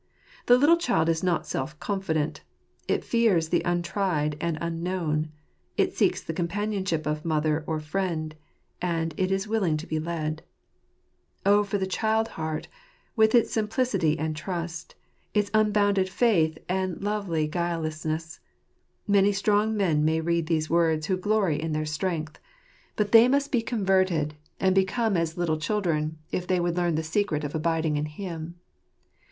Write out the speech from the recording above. The little child is not self confident : it fears the untried and unknown; it seeks the companionship of mother or friend ; and it is willing to be led. Oh for the child heart, with its simplicity and trust; its unbounded faith and lovely guilelessness 1 Many strong men may read these words who glory in their strength; but they must be " 3^ bttre in 5Jim !" *59 convertedj and become as little children, if they would learn the secret of abiding in Him.